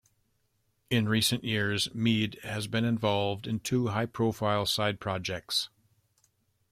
In recent years, Mead has been involved in two high- profile side projects.